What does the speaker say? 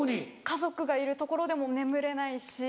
家族がいるところでも眠れないし。